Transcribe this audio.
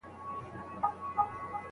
تا داسې زه غوښتنه خپله دا دی خواره شوې